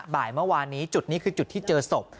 บ่ายเมื่อวานนี้จุดนี้คือจุดที่เจอศพ